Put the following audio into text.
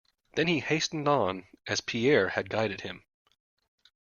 Then he hastened on, as Pierre had guided him.